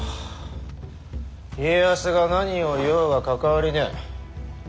家康が何を言おうが関わりねえ。